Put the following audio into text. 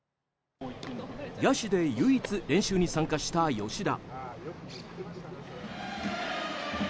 野手で唯一練習に参加した吉田。